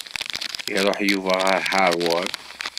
Iṛuḥ Yuba ɣer Harvard.